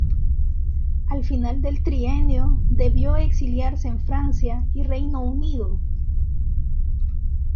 Al final del Trienio, debió exiliarse en Francia y Reino Unido.